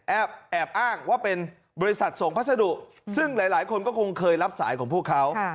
แอบอ้างว่าเป็นบริษัทส่งพัสดุซึ่งหลายคนก็คงเคยรับสายของพวกเขา